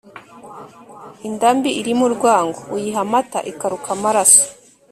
Inda mbi (irimo urwango) uyiha amata ikaruka amaroso.